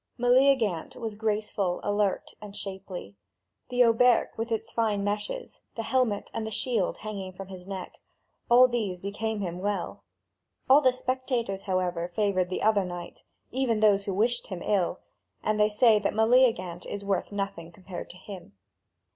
Meleagant was very graceful, alert, and shapely; the hauberk with its fine meshes, the helmet, and the shield hanging from his neck all these became him well. All the spectators, however, favoured the other knight, even those who wished him ill, and they say that Meleagant is worth nothing compared with him.